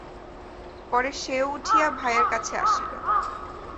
পরে সেও উঠিয়া ভাইয়ের কাছে আসিল।